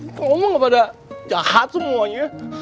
itu ngomong kepada jahat semuanya